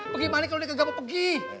bagaimana kalau dia gak mau pergi